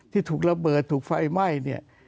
ที่ถูกระเบิดถูกไฟไหม้